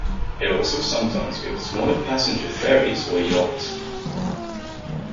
It also sometimes builds smaller passenger ferries or yachts.